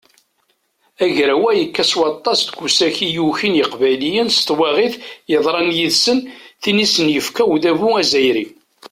Agraw-a yekka s waṭas deg usaki i yukin yiqbayliyen s twaɣit yeḍran yid-sen, tin i sen-yefka udabu azzayri.